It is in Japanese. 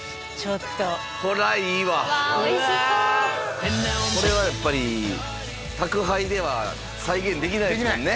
これはいいわこれはやっぱり宅配では再現できないですもんね